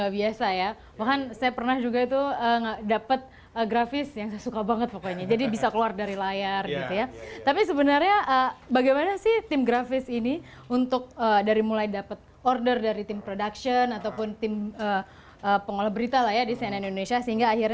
beberapa diantaranya ada kadang kadang temanya agak ketinggalan